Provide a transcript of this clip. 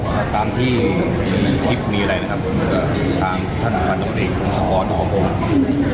ก็ตามที่มีอะไรนะครับทางท่านพันธุรกิจทางสปอร์ตของผม